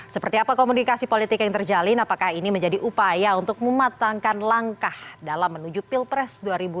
seperti apa komunikasi politik yang terjalin apakah ini menjadi upaya untuk mematangkan langkah dalam menuju pilpres dua ribu dua puluh